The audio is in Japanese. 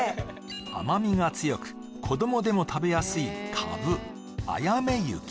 甘味が強く子どもでも食べやすいカブあやめ雪